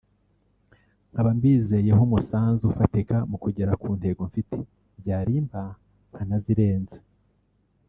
nkaba mbizeyeho umusanzu ufatika mu kugera ku ntego mfite byarimba nkanazirenza”